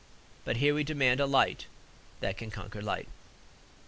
But here we demand a light that can conquer light.